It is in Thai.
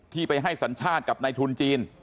ที่ไปให้สัญชาติกับในทุนจีน